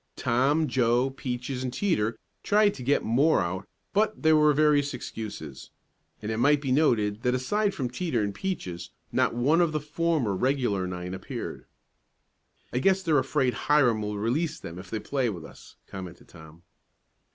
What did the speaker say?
Tom, Joe, Peaches and Teeter tried to get more out, but there were various excuses, and it might be noted that aside from Teeter and Peaches not one of the former regular nine appeared. "I guess they're afraid Hiram will release them if they play with us," commented Tom.